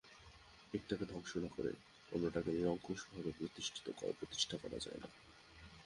একটাকে ধ্বংস না করে অন্যটাকে নিরঙ্কুশভাবে প্রতিষ্ঠা করা যায় না।